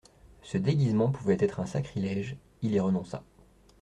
Ce déguisement pouvait être un sacrilège ; il y renonça.